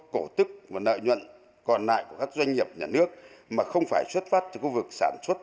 cổ tức và nợ nhuận còn lại của các doanh nghiệp nhà nước mà không phải xuất phát từ khu vực sản xuất